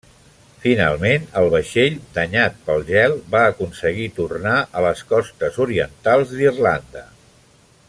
Finalment el vaixell, danyat pel gel, va aconseguir tornar a les costes orientals d'Irlanda.